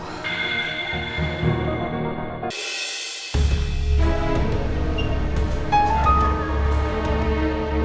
tentang harddisk itu